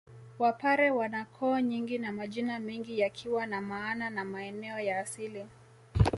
Wapare wana koo nyingi na majina mengi yakiwa na maana ya maeneo ya asili